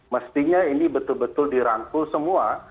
mestinya ini betul betul dirangkul semua